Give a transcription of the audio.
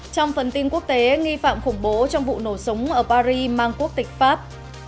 trong phần tin quốc tế nghi phạm khủng bố trong vụ nổ súng ở paris mang quốc tịch pháp